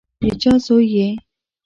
د چا زوی یې؟